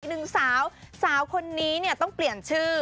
อีกหนึ่งสาวสาวคนนี้ต้องเปลี่ยนชื่อ